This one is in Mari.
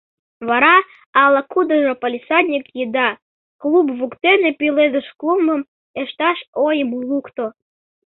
Вара ала-кудыжо палисадник еда, клуб воктене пеледыш клумбым ышташ ойым лукто.